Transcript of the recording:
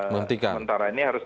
sementara ini harus